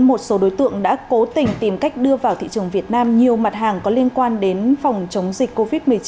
một số đối tượng đã cố tình tìm cách đưa vào thị trường việt nam nhiều mặt hàng có liên quan đến phòng chống dịch covid một mươi chín